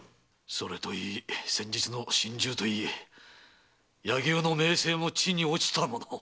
それといい先日の心中といい柳生の名声も地に堕ちたもの。